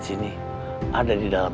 sini ada di dalam